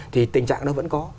thì tình trạng đó vẫn có